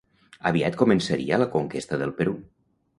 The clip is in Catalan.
Aviat començaria la conquesta del Perú.